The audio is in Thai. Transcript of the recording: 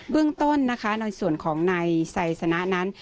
เรื่องต้นนะคะในส่วนของนายไซสนะนั้น